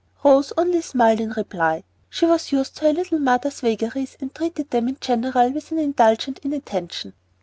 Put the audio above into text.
Rose only smiled in reply. She was used to her little mother's vagaries and treated them in general with an indulgent inattention.